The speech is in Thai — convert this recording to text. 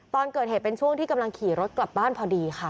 ตอนเกิดเหตุเป็นช่วงที่กำลังขี่รถกลับบ้านพอดีค่ะ